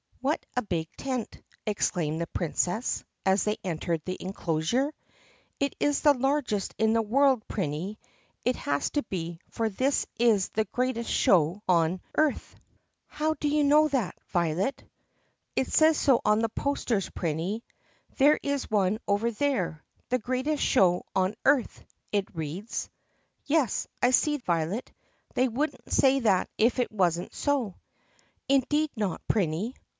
W HAT a big tent!" exclaimed the Princess as they entered the enclosure. "It is the largest in the world, Prinny. It has to be, for this is 'the greatest show on earth.' " 38 THE PUSSYCAT PRINCESS 39 "How do you know that, Violet?" "It says so on the posters, Prinny. There is one over there. THE GREATEST SHOW ON EARTH/ it reads." "Yes, I see, Violet. They wouldn't say that if it wasn't so." "Indeed not, Prinny."